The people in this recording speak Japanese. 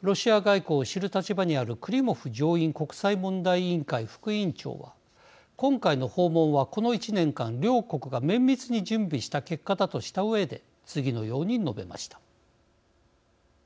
ロシア外交を知る立場にあるクリモフ上院国際問題委員会副委員長は今回の訪問はこの１年間両国が綿密に準備した結果だとしたうえで次のように述べました。